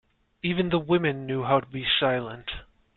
Even the women knew how to be silent.